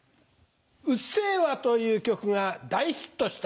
『うっせぇわ』という曲が大ヒットした。